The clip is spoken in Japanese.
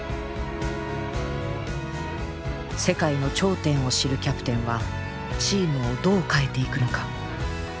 世界の頂点を知るキャプテンはチームをどう変えていくのか。